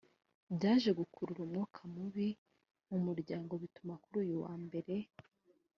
byaje gukurura umwuka mubi mu muryango bituma kuri uyu wa mbere